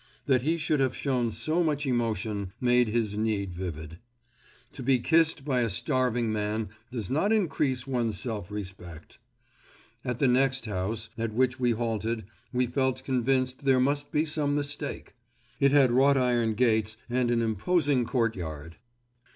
That he should have shown so much emotion made his need vivid. To be kissed by a starving man does not increase one's self respect. At the next house at which we halted, we felt convinced there must be some mistake. It had wrought iron gates and an imposing courtyard.